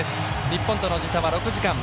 日本との時差は６時間。